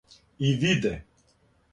И виде